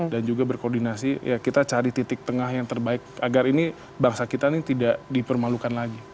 dan juga berkoordinasi ya kita cari titik tengah yang terbaik agar ini bangsa kita ini tidak dipermalukan lagi